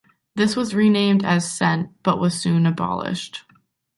This was renamed as cent, but soon was abolished.